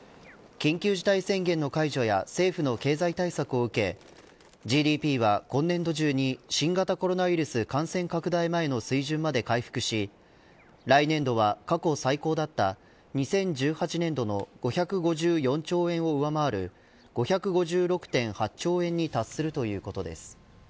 緊急事態宣言の解除や政府の経済対策を受けＧＤＰは今年度中に新型コロナウイルス感染拡大前の水準まで回復し来年度は、過去最高だった２０１８年度の５５４兆円を上回る５５６．８兆円に達するということです。